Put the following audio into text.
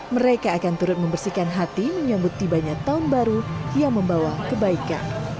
mereka akan turut membersihkan hati menyambut tibanya tahun baru yang membawa kebaikan